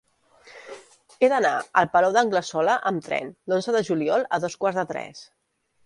He d'anar al Palau d'Anglesola amb tren l'onze de juliol a dos quarts de tres.